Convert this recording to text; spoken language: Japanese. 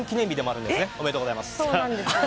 ありがとうございます。